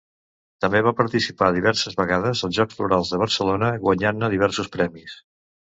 També va participar diverses vegades als Jocs Florals de Barcelona, guanyant-ne diversos premis.